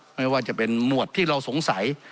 ไม่ว่าจะเป็นหมวดที่เราสงสัย